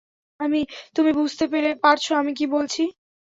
তুমি বুঝতে পারছ আমি কি বলছি?